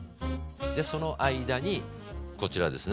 でその間にこちらですね。